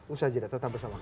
usaha jeda tetap bersama kami